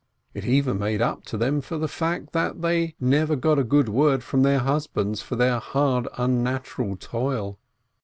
It even made up to them for the other fact, that they never got a good word from their husbands for their hard, unnatural toil.